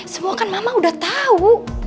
semua kan mama udah tahu